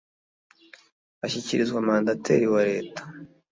ashyikirizwa Mandateri wa Leta